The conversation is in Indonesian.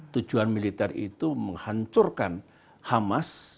tujuan militer itu menghancurkan hamas